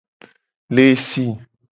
Le si.